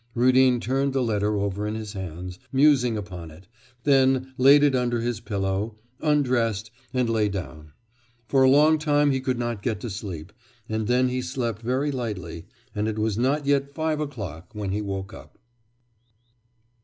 Rudin turned the letter over in his hands, musing upon it, then laid it under his pillow, undressed, and lay down. For a long while he could not get to sleep, and then he slept very lightly, and it was not yet five o'clock when he woke up.